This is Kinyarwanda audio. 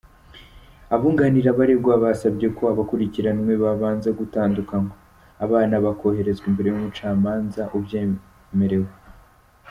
Abunganira abaregwa basabye ko abakurikiranywe babanza gutandukanywa, abana bakoherezwa imbere y'umucamanza ubyemerewe .